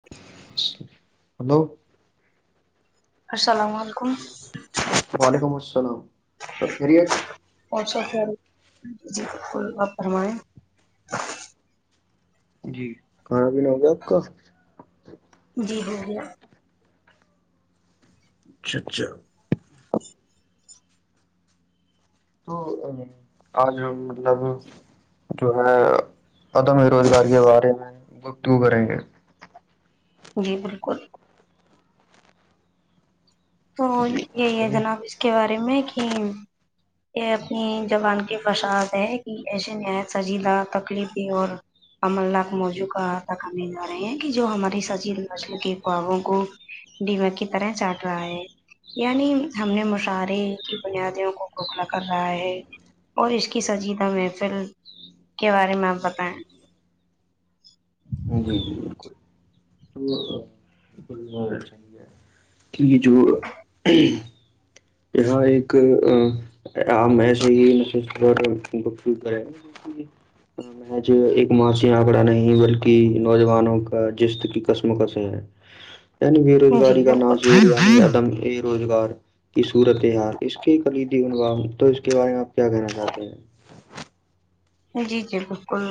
[unintelligible] hello السلام علیکم السلام علیکم السلام اور فرمایا جی کھانا بھی نہیں ہوگا جی ہو گیا ما [unintelligible] جو ہے عدم روزگار کے بارے میں گتوں کریں گے جی بالکل تو یہی ہے فرمائیے جناب اس کے بارے میں کہ یہ اپنی زبان کے فشاعت ہے کہ ایسے نہایت سنجیدہ تکلیفی اور املناک موضوع کا تکنے جا رہے ہیں کہ جو ہماراری سجیل نسل کے خوابوں کو ڈمک کی طرح چاٹ رہا ہے یعنی ہم نے مشاعرے کی بنیادیوں کو کھوکھلا کر رہا ہے اور اس کی سجیدہ محفل کے بارے میں آپ بتائیں جی بالکل [inaudible] یہ جو [inaudible] یہاں ایک ایسی کریں [inaudible] ہاں میں [inaudible] آج ایک ماسیی آنکڑا نہیں بلکہ نوجوانوں کا جش کی کسم کس ہے یعنی بے جی روزگاری کا نازور یعنی بالکل عدم بے روزگار [inaudible] کی صورت حال اس کے کلیدی عنوام تو اس کے بارے میں آپ کیا کہنا چاہتے ہیں جی جی بالکل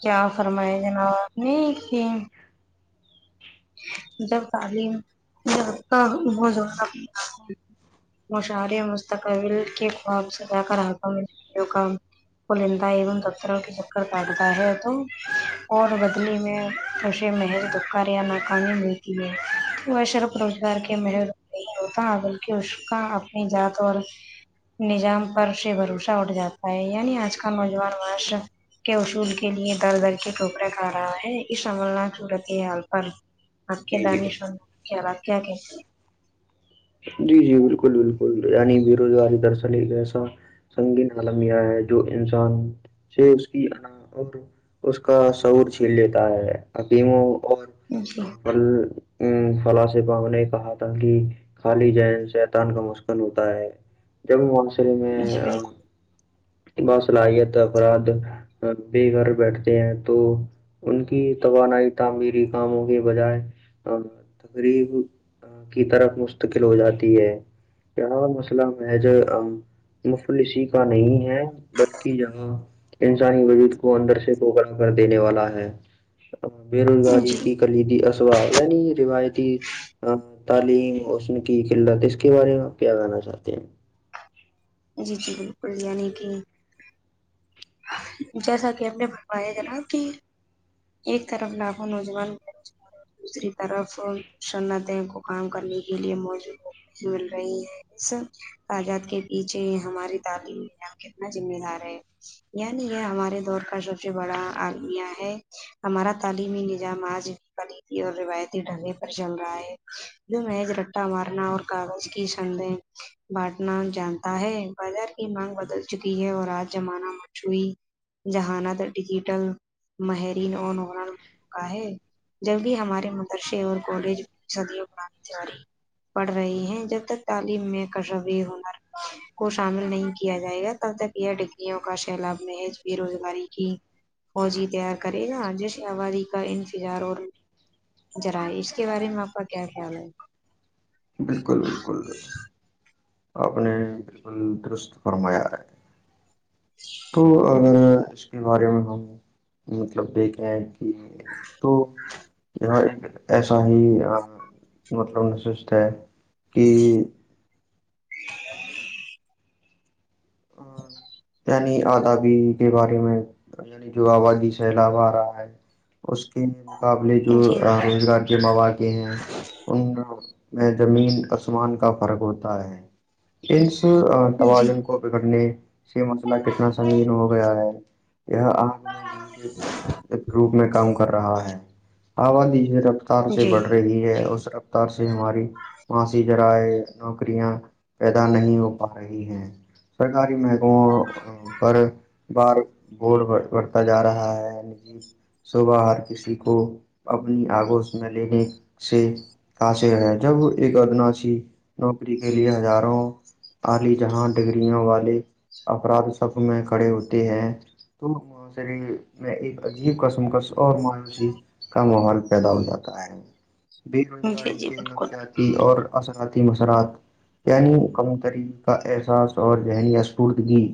کیا فرمائے جناب آپ نے جب تعلیم جب کا وہ زہ [inaudible] مشعرے مستقبل کے خواب سےدا کر حم کا [inaudible] پلندہ ام دتر کے چکر کاٹتا ہے تو اور بدلی میں [inaudible] سشے محج دکاریا ن کانی ملتی [inaudible] وشرف روزگار کے محر نہیں ہوتا بلکہ اس کا اپنی جذات اور [inaudible] نظام پر سے بھروسہ اٹھ جاتا ہے یعنی آج کل نوجوان معاشر [inaudible] کے اصول کے لیے در در کے ٹوکرے کھا رہا ہے اس عمل نہ صورت حال پر آ کے جی جی دانیش کیاا کیا کہ [inaudible] جی جی بالکل بالکل یعنی بے روزگاری درصن ہیسا سنگین آالمیا ہے جو انسان سے اس کی ان اور اس کا سعور چھیل لیتا ہے ایموں اور ہیں جی پل ا فلا سےبام نے کہا تھا کہ [inaudible] خالی جی شیتان کا مسکن ہوتا ہے [inaudible] جب منسری میں جی [inaudible] با صلاحیت افراد بے گھر بیٹھتے ہیں تو ان کی توانائی تعمیری کاموں کے بجائے تقریب کی طرف مستقل ہو جاتی ہے کیا مسئلہ محج مفتلسی کا نہیں ہے بلکہ یہاں انسانی وجود کو اندر سے پکڑا کر دینے والا ہے بے بالکل روزگاری جی کی کلیدی اسباب یعنی روایتی تعلیم ن کی کھیل رہا تھا اس کے بارے میں آپ کیا کہاننا چاہتے ہیں [inaudible] جی جی بالکل یعنی کہ جیسا کہ ہم نے بنوایا ج نا کہ ایک طرف لاھوں نوجوان دوسری طرف صنعتیں کو کام کرنے کے لیے موجود مل رہی ہیں اس تعداد کے پیچھے ہماری تعلیم کنا ذمہ دار ہے یعنی یہ ہمارے دور کا سب سے بڑا آدمیہ ہے ہمارا تعلیمی نظام آج بھی خلیفی اور روایتی ڈھگے پر چل رہا ہے محج رٹا مارنا اور کاغذ کی سنگیں [inaudible] بانٹنا جانتا ہے بازار کی مانگ بدل چکی ہے اور آج زمانہ مچھوئی جہان ڈیجیٹل ماہرین اور موں کا ہے [inaudible] جب بھی ہمارے مدرسے اور کالج صدی بنانانی ج آ رہی ہے پڑھ رہی ہیں جب تک تعلیم میں کشبی ہنر کو شامل نہیں کیا جائے گا تب تک یہ ڈگریوں کا سیلاب محج بے روزگاری کی فوجی تیار کرے نا جیش آبادی کا انفظار اور ذرا اس کے بارے میں آپ کا کیا خیال ہے بالکل بالکل آپ نے بالکل درست فرمایا ہے تو اس کے بارے میں ہم مطلب دیکھے ہیں تو ایسا ایا ہی مطلب میں سوچتا ہے کہ اورن یعنی ابادی کے بارے میں یعنی جو آبادی سیلاب آ رہا ہے اس کے مقابلے جو جی روزگار کے مواقع ہیں ان میں زمین آسمان کا فرق ہوتا ہے ان جی طوالن کو بگڑنے سے مسئلہ کتنا سنگین ہو گیا ہے یہ آنکھ میں گھی کے روپ میں کام کر رہا ہے آبادی ج رفتار سے جی بڑھ رہی ہے اس ر سے ہماری معاشی جذرائع نوکریاں پیدا نہیں ہو پا رہی ہیں سرکاری مکموں پر بار بڈ ب بڑھتا جا رہا ہے نجی صبح ہر کسی کو اپنی آگوش میں لینے سے قاصر ہے جب ایک ادناسی نوکری کے لیے ہزاروں الی جہاں ڈگری وہ والے اپراد سب میں کھڑے ہوتے ہیں تو شریر میں ایک عجیب قسم کا اور مایوسی کا ماحول پیدا ہو جاتا ہے بے جی روزگاری جی کے بالکل نقشات اور اثراتی مثرات یعنی کم ترین کا احساس اور ذہنییا اسپوردگی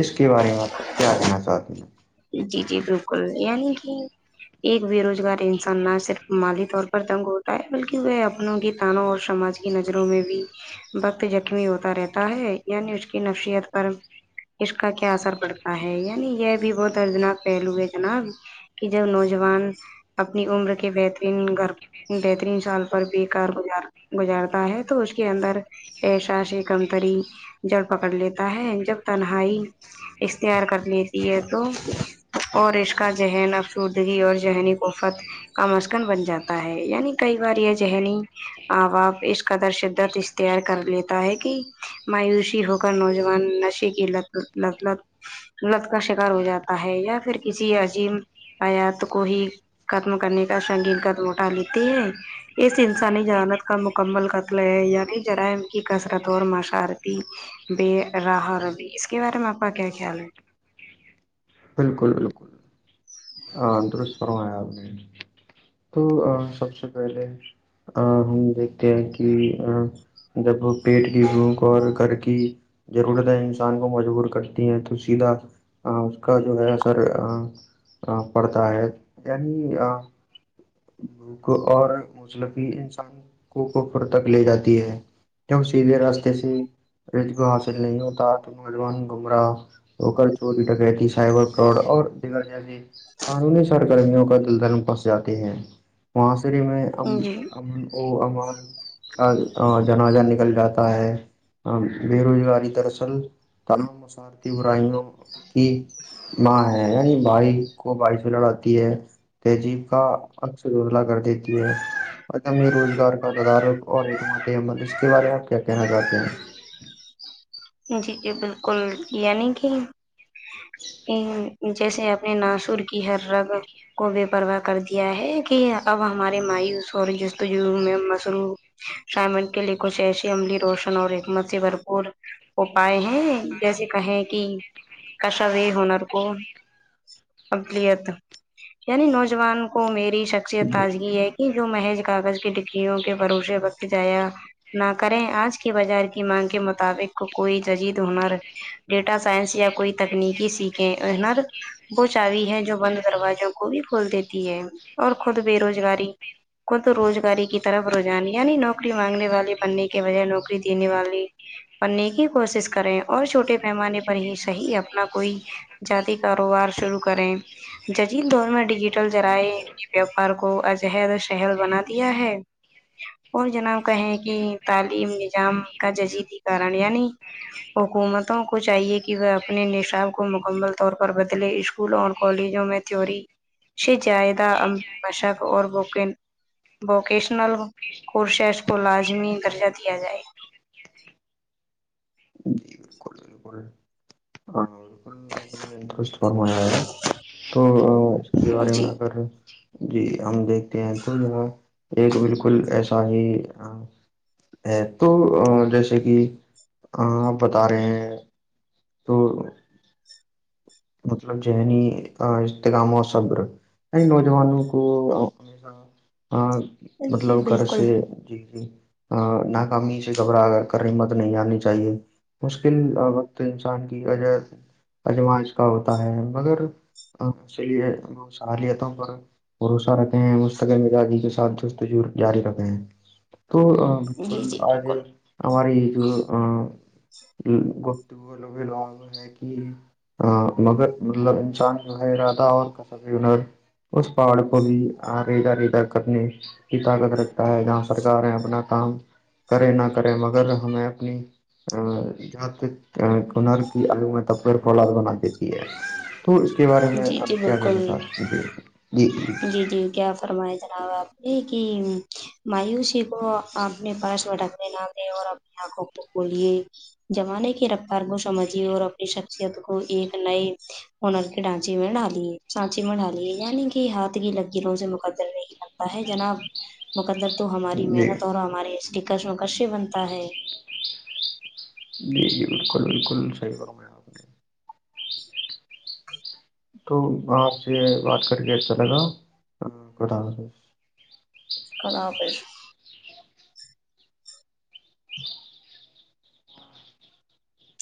اس کے بارے میں آپ کیا کہنا چاہتے ہیں جی جی بالکل یعنی کہ ایک بے روزگار انسان نہ صرف مالی طور پتنگ ہوتا ہے بلکہ وہ اپنوں کی تانوں اور سماج کی نظروں میں بھی وقت زخمی ہوتا رہتا ہے یعنی اس کی نفسیت پر اس کا کیا اثر پڑتا ہے یعنی یہ بھی وہ دردناک پہلوئے جناب کہ جب نوجوان اپنی عمر کے بہترین گھر بہترین سال پر بے کار گزار گزارتا ہے تو اس کے اندر پیشا سے کمتری جڑ پکڑ لیتا ہے جب تنہائی اختیار کر لیتی ہے تو اور اس کا ذہن افسردگی اور ذہنی کفت کم از کم بن جاتا ہے یعنی کئی بار یہ ذہنی آباب اس کا در شدد تیار کر لیتا ہے کہ مایوسی ہو کر نوجوان نشے کی ل لطلت لت کا شکار ہو جاتا ہے یا پھر کسی عجیب آیات کو ہی ختم کرنے کا سنگیین قدم اٹا لیتے ہیں اس انسانی جہانت کا مکمل قتل ہے یعنی جرائم کی کثرت اور ماشارتی بے راہ ربی اس کے بارے میں آپ کا کیا خیال ہے بالکل بالکل ہاں انندرست فرو نے تو سب سے پہلے ہم دیکھتے ہیں کہ جب پیٹ کی بھوک اور گھر کی ضرورت ہے انسان کو مجبور کرتی ہیں تو سیدھا کا جو ہے اثر پڑتا ہے یعنی بھوک اور موسلفی انسان کو کفر تک لے جاتی ہے کی سیری راستے سے رب حاصل نہیں ہوتا تو نوجوان گمراہ ہو کر چوری ٹکرتی سائبر کراڈ اور دیگر جیسی قانونی سرگرمیوں کا دل دن پھنس جاتے ہیں معحاصرے میں ا ہے جی امان جناجہ نکل جاتا ہے ہ بے روزگاری دراصل تمام مسارتی برائیوں کی ماں ہے یعنی بھائی کو بائیش میں لڑاتی ہے تہذیب کا عکس رزلا کر دیتی ہے عدم روزگار کا تدارک اور حکمت عمل اس کے بارے آپ کیا کہنا چاہتے ہیں جی جی بالکل یعنی کہ ا جیسے اپنے ناسر کی ہر رگ کو بے پرواہ کر دیا ہے کہ اب ہمارے مایوس اور جس تجرب میں مصروف شائمن کے لیے کش ایشی عملی روشن اور حکمت سے بھرپور اپائے ہیں جیسے کہیں کہ کشا ہنر کو ابلیت یعنی نوجوان کو میری شخصیت جی تازگی ہے یہ جو محض کاغذ کی ڈگریوں کے بھروسے وقت جایا نہ کریں آج کے بازار کی مانگ کے مطابقک کوئی ججید ہنر ڈیٹا سائنس یا کوئی تکنیکی سیکھیں ہنر ب چاوی ہے جو بند دروازوں کو بھی کھول دیتی ہے اور خود بے روزگاری کو تو روزگاری کی طرف رجان یعنی نوکری مانگنے والی بننے کے بجائے نوکری دینے والی پڑنے کی کوشش کریں اور چھوٹے پیمانے پر ہی صحیح اپنا کوئی جات کاروبار شروع کریں جزل دور میں ڈیجیٹل جذرائع ویاپار کو عجہد شہل بنا دیا ہے اور جنا کہیں کہ تعلیم نظام کا ججید ہی کارن یعنی حکومتوں کو چاہیے کہ وہ اپنے نصاب کو مکمل طور پر بدلے اسکولوں اور کالجوں میں چی ش جائدہ امب مشق اور بوکن ووکیشنل کورسیز کو لازمی درجہ دیا جائے پے نے د فرمایا ہے تو اس کے بارے میں جی اگر جی ہم دیکھتے ہیں تو یہاں ایک بالکل ایسا ہی ہے تو جیسے کہ آپ بتا رہے ہیں تو مطلب ذہنی اتغام و صبر نوجوانوں کو ہمیہ ہاں جی مطلب کر بالکل سے جی جی ناکامی سے گھبرا کر رہی مت نہیں آنی چاہیے مشکل وقت انسان کی عج اجمائش کا ہوتا ہے مگر ہص لی سہ لے تھا ہ پر بھروسہ رکھے ہیں مستقل مزاغی کے ساتھ دوست جاری رکھے ہیں تو جی بالکل جی آج بالکل ہمار یہ جو گتولگ لو ہے کہ ہ مگر مطلب انسان جو ہے ارادہ اور کس بھی ہنر اس پہاڑ کو بھی ریگا ریڈا کرنے کی طاقت رکھتا ہے جہاں سرکاریں اپنا کام کرے نہ کرے مگر ہمیں اپنی ج تک کنرک آلو میں ت پیر پ آ دیتی ہے تو اس کے بارے میں جی ا جی کیا کہنا بالکل چاہ جی جی جی کیا فرمایا جناب آپ نے کہ مایوسی کو اپنے پاس بھٹکے نہ دیں اور اپنے آ ک کو بے زمانے کی رفتار کو سمجھیے اور اپنی شخصیت کو ایک نئے ہنر کے ڈانچی میں ڈالیے سانچی میں ڈالی ہے یعنی کہ ہاتھ کی لکیروں سے مقدر نہیں بنتا ہے جناب مقدر تو ہماری جی محنت اور ہمارے اسٹیکرس مکر سے بنتا ہے جی جی بالکل بالکل صحیح کروں گ میں آپ تو آپ سے بات کر کے اچھا لگاؤ کف [unintelligible]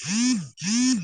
جھید جھید